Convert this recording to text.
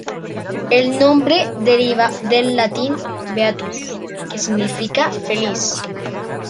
El nombre deriva del latín "beatus", que significa "feliz".